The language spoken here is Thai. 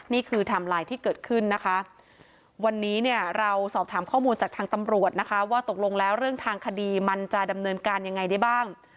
ไทม์ไลน์ที่เกิดขึ้นนะคะวันนี้เนี่ยเราสอบถามข้อมูลจากทางตำรวจนะคะว่าตกลงแล้วเรื่องทางคดีมันจะดำเนินการยังไงได้บ้าง